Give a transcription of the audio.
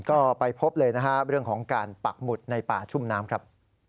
ก็ไปพบเลยนะฮะเรื่องของการปักหมุดในป่าชุ่มน้ำครับ